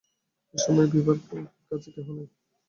এ সময়ে বিভার কাছে কেহ নাই।